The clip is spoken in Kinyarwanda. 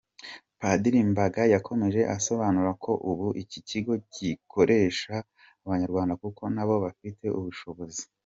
Padiri Mbaga yakomeje asobanura ko ubu iki kigo gikoresha Abanyarwanda kuko nabo bafite ubushobozi.